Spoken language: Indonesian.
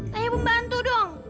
tanya pembantu dong